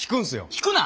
引くな！